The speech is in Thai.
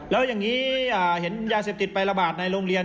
แล้วอย่างนี้เห็นยาเสพติดไประบาดในโรงเรียน